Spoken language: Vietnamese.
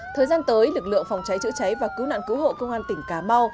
thời gian tới lực lượng phòng cháy chữa cháy và cứu nạn cứu hộ công an tỉnh cà mau